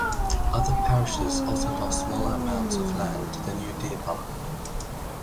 Other parishes also lost smaller amounts of land to the new deer park.